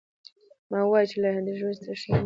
مه وايه! چي له ژونده ستړی یم؛ ووايه چي باید خوښ واوسم.